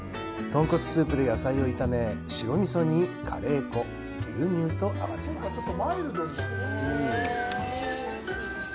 豚骨スープで野菜を炒め白味噌にカレー粉、牛乳と合わせます。